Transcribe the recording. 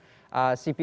oke terima kasih pak